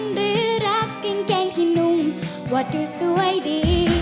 หรือรักกินแกงที่นุ่มว่าจะสวยดี